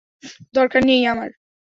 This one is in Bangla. দরকার নেই আমার!